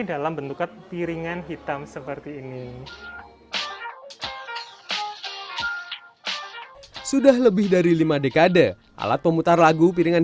dalam bentukan piringan hitam seperti ini sudah lebih dari lima dekade alat pemutar lagu piringan